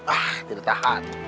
ah tidak tahan